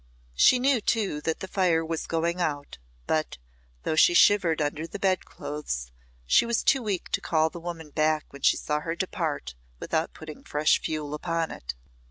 She knew, too, that the fire was going out, but, though she shivered under the bed clothes, she was too weak to call the woman back when she saw her depart without putting fresh fuel upon it.